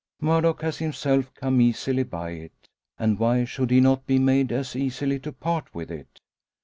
Murdock has himself come easily by it, and why should he not be made as easily to part with it?